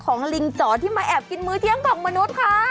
ลิงจ๋อที่มาแอบกินมื้อเที่ยงของมนุษย์ค่ะ